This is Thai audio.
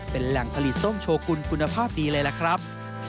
เป็นแหล่งผลิตส้มโชกุลคุณภาพดีเลยล่ะครับ